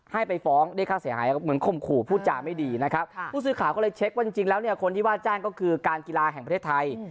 ให้ไปฟ้องเรียกค่าเสียหายเหมือนข่มขู่พูดจาไม่ดีนะครับผู้สื่อข่าวก็เลยเช็คว่าจริงแล้วเนี่ยคนที่ว่าจ้างก็คือการกีฬาแห่งประเทศไทย